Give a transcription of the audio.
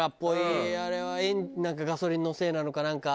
あれはなんかガソリンのせいなのかなんか。